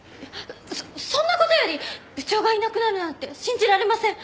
そそんな事より部長がいなくなるなんて信じられません。